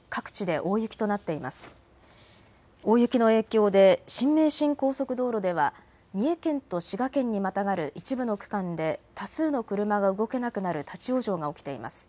大雪の影響で新名神高速道路では三重県と滋賀県にまたがる一部の区間で多数の車が動けなくなる立往生が起きています。